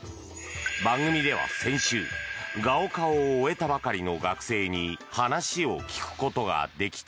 番組では先週ガオカオを終えたばかりの学生に話を聞くことができた。